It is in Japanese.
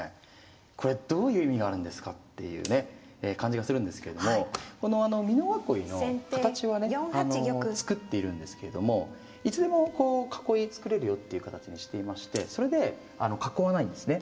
「これどういう意味があるんですか？」っていうね感じがするんですけれどもこの美濃囲いの形はね作っているんですけどもいつでもこう囲い作れるよっていう形にしていましてそれで囲わないんですね。